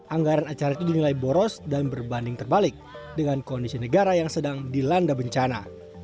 anggaran acara itu dinilai boros dan berbanding terbalik dengan kondisi negara yang sedang dilanda bencana